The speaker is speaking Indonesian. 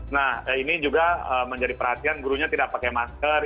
nah ini juga menjadi perhatian gurunya tidak pakai masker